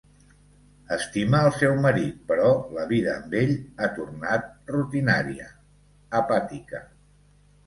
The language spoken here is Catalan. Estima el seu marit, però la vida amb ell ha tornat rutinària, apàtica.